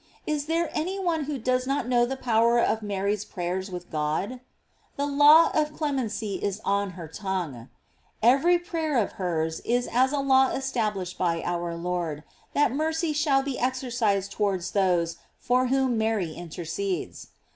Is there any one who does not know the pow er of Mary's prayers with God? The law of clemency is on her tongue. * Every prayer of hers is as a law established by our Lord, that mercy shall be exercised towards those for whom Mary intercedes.